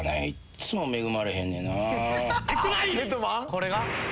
これが？